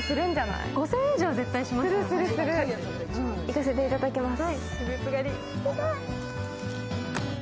いかせていただきます。